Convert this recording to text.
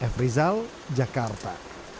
f rizal jakarta